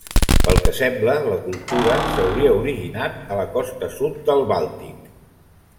Pel que sembla, la cultura s'hauria originat a la costa sud del Bàltic.